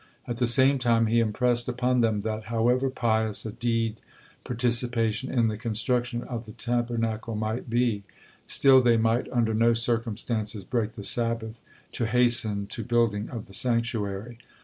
At the same time he impressed upon them that, however pious a deed participation in the construction of the Tabernacle might be, still they might under no circumstances break the Sabbath to hasten to building of the sanctuary.